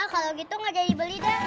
kalau gitu nggak jadi beli deh